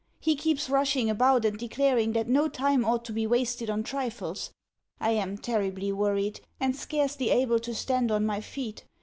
He keeps rushing about and declaring that no time ought to be wasted on trifles. I am terribly worried, and scarcely able to stand on my feet.